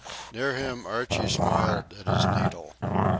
Near him Archie smiled at his needle.